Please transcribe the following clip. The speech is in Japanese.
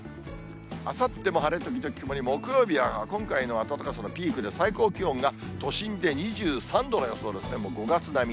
あさっても晴れ時々曇り、木曜日は今回の暖かさのピークで、最高気温が都心で２３度の予想ですね、もう５月並み。